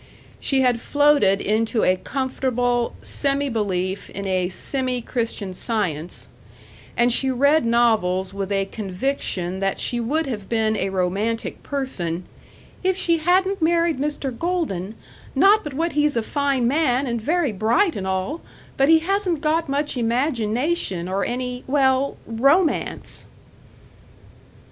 She had floated into a comfortable semi belief in a semi Christian Science, and she read novels with a conviction that she would have been a romantic person "if she hadn't married Mr. Golden not but what he's a fine man and very bright and all, but he hasn't got much imagination or any, well, romance!"